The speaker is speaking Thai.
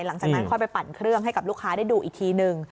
หลังจากนั้นค่อยไปปั่นเครื่องให้กับลูกค้าได้ดูอีกทีนึง